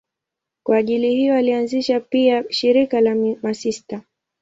Kwa ajili hiyo alianzisha pia shirika la masista.